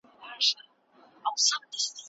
هغه د قدرت د توزیع په اړه موثرو نظریات وړاندي کوي.